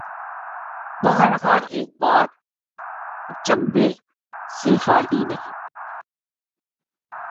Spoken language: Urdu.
بہرحال ایک بات اچنبھے سے خالی نہیں۔